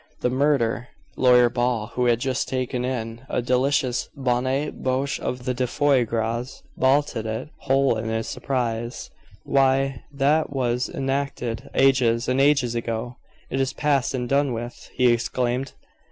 "The murder." Lawyer Ball, who had just taken in a delicious bonne bouche of the foie gras, bolted it whole in his surprise. "Why, that was enacted ages and ages ago; it is past and done with," he exclaimed.